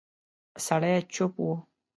سړی چوپ و.